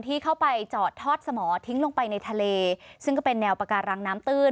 ที่เข้าไปจอดทอดสมอทิ้งลงไปในทะเลซึ่งก็เป็นแนวปาการังน้ำตื้น